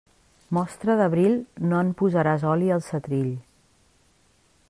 Mostra d'abril, no en posaràs oli al setrill.